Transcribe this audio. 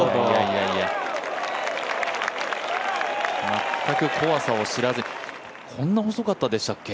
全く怖さを知らず、こんなに細かったでしたっけ？